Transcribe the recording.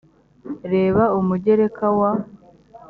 reba umugereka wa